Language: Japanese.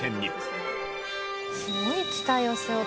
すごい期待を背負って。